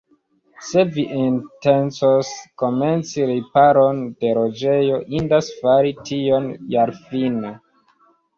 Se vi intencos komenci riparon de loĝejo, indas fari tion jarfine.